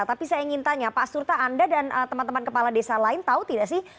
tapi saya ingin tanya pak surta anda dan teman teman kepala desa lain tahu tidak sih